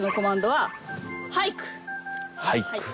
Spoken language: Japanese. はい。